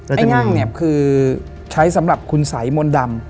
ที่นั่งเนี่ยคือใช้สำหรับคุณสัยมนต์ดำ